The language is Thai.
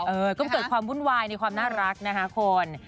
เออก็เกิดความวุ่นวายในความน่ารักนะคะคุณ